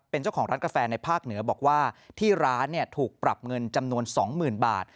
เป็นเจ้าของร้านกาแฟในภาคเหนือบอกว่าที่ร้านถูกปรับเงินจำนวน๒๐๐๐บาท